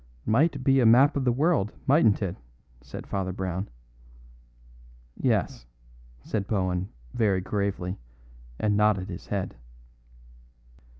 "Might be the map of the world, mightn't it?" said Father Brown. "Yes," said Bohun very gravely, and nodded his head.